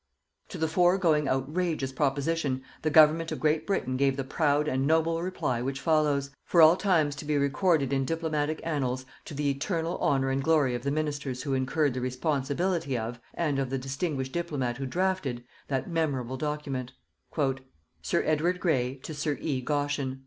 To the foregoing outrageous proposition, the Government of Great Britain gave the proud and noble reply which follows, for all times to be recorded in diplomatic annals to the eternal honour and glory of the Ministers who incurred the responsibility of, and of the distinguished diplomat who drafted, that memorable document: Sir Edward Grey to Sir E. Goschen.